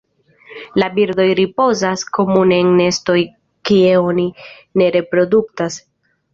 La birdoj ripozas komune en nestoj kie oni ne reproduktas.